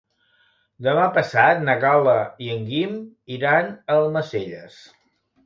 Demà passat na Gal·la i en Guim iran a Almacelles.